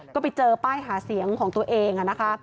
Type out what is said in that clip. ก็ไปเจอป้ายหาเสียงของตัวเองนะคะ